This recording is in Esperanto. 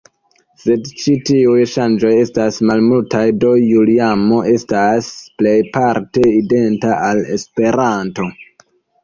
Sed ĉi tiuj ŝanĝoj estas malmultaj, do Juliamo estas plejparte identa al Esperanto.